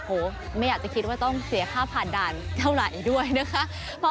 ไม่อยากจะคิดว่าต้องเสียค่าผ่านด่านเท่าไหร่ด้วยนะคะ